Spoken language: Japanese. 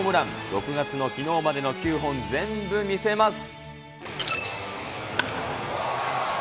６月のきのうまでの９本全部見せます。